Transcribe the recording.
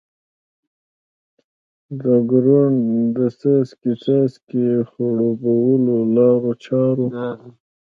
د کروندو د څاڅکې څاڅکي خړوبولو د لارو چارو.